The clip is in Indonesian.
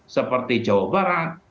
seperti jawa barat